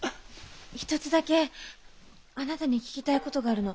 一つだけあなたに聞きたい事があるの。